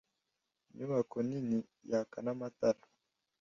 Inyubako nini yaka n'amatara.